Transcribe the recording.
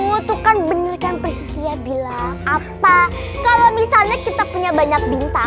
butuhkan beneran presiden bilang apa kalau misalnya kita punya banyak bintang